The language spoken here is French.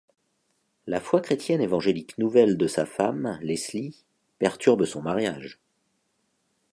La foi chrétienne évangélique nouvelle de sa femme, Leslie, perturbe son mariage.